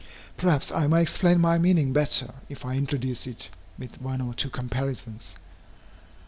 Perhaps I may explain my meaning better, if I introduce it with one or two comparisons.